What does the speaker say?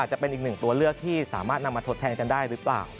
จะเป็นอีกหนึ่งตัวเลือกที่สามารถนำมาทดแทนกันได้หรือเปล่า